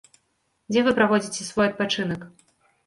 Дзе вы праводзіце свой адпачынак?